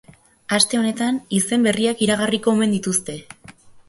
Aste honetan izen berriak iragarriko omen dituzte.